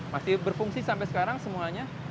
masih berfungsi sampai sekarang semuanya